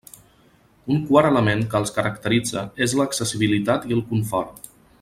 Un quart element que els caracteritza és l'accessibilitat i el confort.